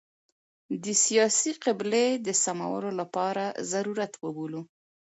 د سیاسي قبلې د سمولو لپاره ضرورت وبولو.